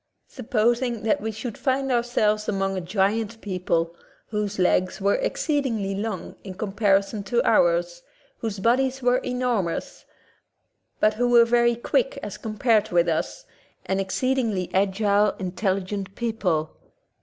Supposing that we should find ourselves among a giant people, whose legs were ex ceedingly long in comparison with ours, whose bodies were enormous, but who were very quick as compared with us — an exceedingly agile, intelligent people.